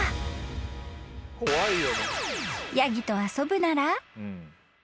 ［ヤギと遊ぶなら］